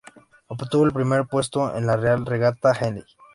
Obtuvo el primer puesto en la Real regata Henley.